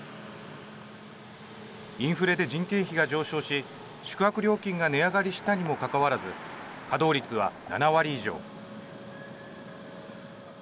インフレで人件費が上昇し宿泊料金が値上がりしたにもかかわらず稼働率は７割以上。